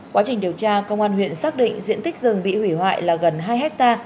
quá trình điều tra công an huyện xác định diện tích rừng bị hủy hoại là gần hai hectare